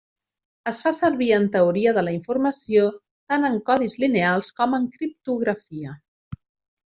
Es fa servir en teoria de la informació tant en codis lineals com en criptografia.